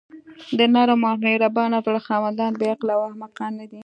د نرم او مهربانه زړه خاوندان بې عقله او احمقان ندي.